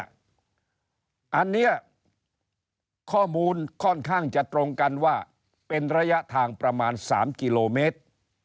อันนี้ข้อมูลค่อนข้างจะตรงกันว่าเป็นระยะทางประมาณ๓กิโลเมตร